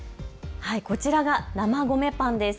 こちらが生米パンです。